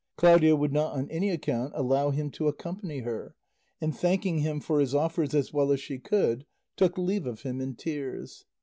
Claudia would not on any account allow him to accompany her; and thanking him for his offers as well as she could, took leave of him in tears.